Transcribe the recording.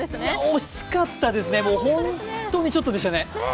惜しかったですね、ホントにちょっとでしたね。